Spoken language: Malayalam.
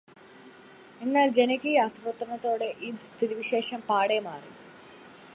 എന്നാല് ജനകീയാസൂത്രണത്തോടെ ഈ സ്ഥിതിവിശേഷം പാടെ മാറി.